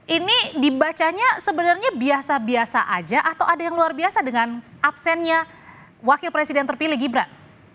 ini dibacanya sebenarnya biasa biasa aja atau ada yang luar biasa dengan absennya wakil presiden terpilih gibran